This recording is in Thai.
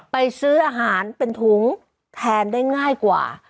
ซื้ออาหารเป็นถุงแทนได้ง่ายกว่า